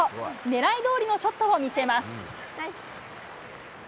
狙いどおりのショットを見せます。